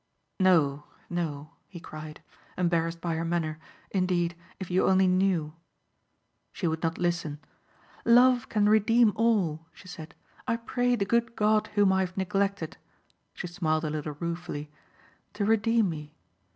"No, no," he cried, embarrassed by her manner, "Indeed if you only knew." She would not listen. "Love can redeem all," she said. "I pray the good God whom I have neglected," she smiled a little ruefully, "to redeem me.